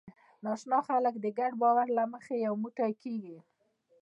ناآشنا خلک د ګډ باور له مخې یو موټی کېږي.